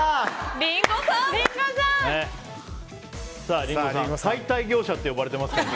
リンゴさん、解体業者って呼ばれてますからね。